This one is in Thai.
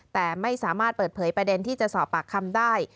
แต่ไม่สามารถเปิดเผยประเด็นที่จะสอบปากคำได้